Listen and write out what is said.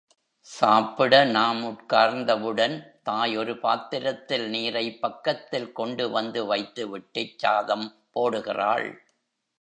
சாப்பிட நாம் உட்கார்ந்தவுடன் தாய் ஒரு பாத்திரத்தில் நீரைப் பக்கத்தில் கொண்டுவந்து வைத்துவிட்டுச் சாதம் போடுகிறாள்.